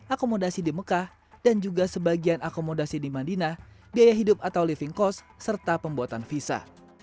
akomodasi di mekah dan juga sebagian akomodasi di madinah biaya hidup atau living cost serta pembuatan visa